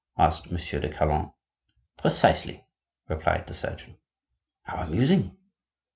asked Monsieur de Calonne. "Precisely," replied the surgeon. "How amusing!"